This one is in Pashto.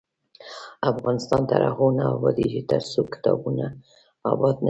افغانستان تر هغو نه ابادیږي، ترڅو کتابتونونه اباد نشي.